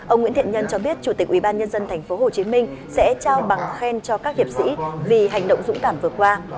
ông nguyễn thiện nhân cho biết chủ tịch ubnd tp hcm sẽ trao bằng khen cho các hiệp sĩ vì hành động dũng cảm vừa qua